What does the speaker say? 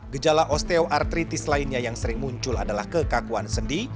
gejala osteoartritis lainnya yang sering muncul adalah kekakuan sendi